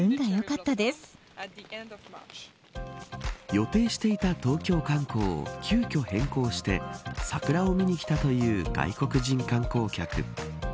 予定していた東京観光を急きょ変更して桜を見に来たという外国人観光客。